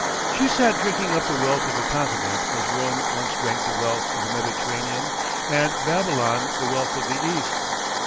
She sat drinking up the wealth of a continent as Rome once drank the wealth of the Mediterranean and Babylon the wealth of the east.